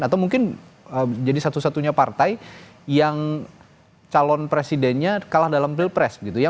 atau mungkin jadi satu satunya partai yang calon presidennya kalah dalam pilpres gitu ya